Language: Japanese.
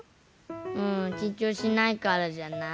うんきんちょうしないからじゃない？